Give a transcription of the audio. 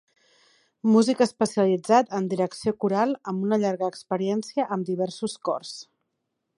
Músic especialitzat en direcció coral, amb una llarga experiència amb diversos cors.